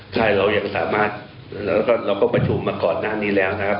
ใช่เรายังสามารถแล้วก็เราก็ประชุมมาก่อนหน้านี้แล้วนะครับ